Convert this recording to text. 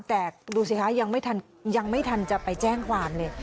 แต่ดูสิคะยังไม่ทันจะไปแจ้งความเลย